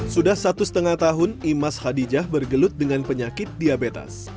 sudah satu setengah tahun imas hadijah bergelut dengan penyakit diabetes